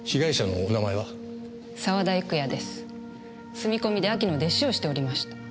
住み込みでアキの弟子をしておりました。